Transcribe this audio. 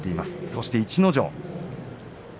そして、逸ノ城。